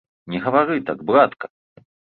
Не гавары так, братка!